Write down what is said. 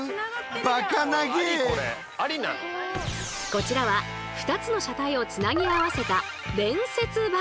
こちらは２つの車体をつなぎ合わせた連節バス！